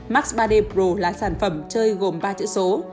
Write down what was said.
max ba d pro là sản phẩm chơi gồm ba chữ số